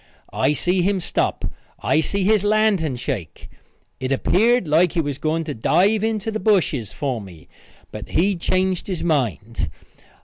I see him stop. I see his lantern shake. It appeared like he was going to dive into the bushes for me, but he changed his mind.